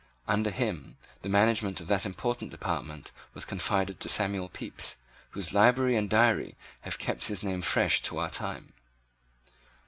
Under him the management of that important department was confided to Samuel Pepys, whose library and diary have kept his name fresh to our time.